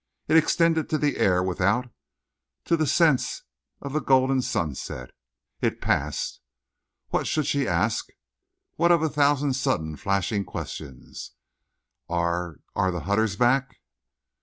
It extended to the air without, to the sense of the golden sunset. It passed. What should she ask—what out of a thousand sudden flashing queries? "Are—are the Hutters back?"